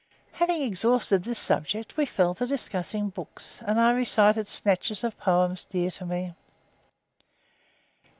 Having exhausted this subject, we fell to discussing books, and I recited snatches of poems dear to me.